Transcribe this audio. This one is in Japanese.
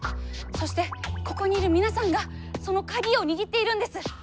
そしてここにいる皆さんがその鍵を握っているんです。